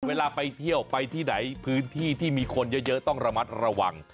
เวลาไปเที่ยวไปที่ไหนพื้นที่ที่มีคนเยอะต้องระมัดระวัง